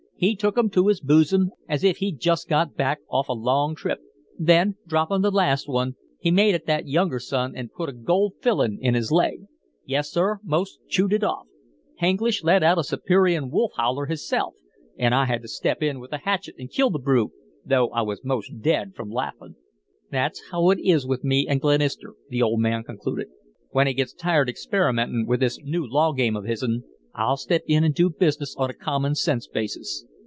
He took 'em to his boosum as if he'd just got back off a long trip, then, droppin' the last one, he made at that younger son an' put a gold fillin' in his leg. Yes, sir; most chewed it off. H'Anglish let out a Siberian wolf holler hisself, an' I had to step in with the hatchet and kill the brute though I was most dead from laughin'. "That's how it is with me an' Glenister," the old man concluded. "When he gets tired experimentin' with this new law game of hisn, I'll step in an' do business on a common sense basis."